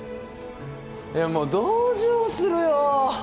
もう同情するよ。